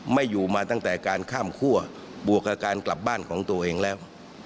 ไม่อยู่มาตั้งแต่การข้ามคั่วบวกกับการกลับบ้านของตัวเองแล้ว